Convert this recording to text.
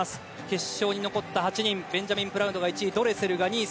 決勝に残った８人ベンジャミン・プラウドが１位ドレセルが２位。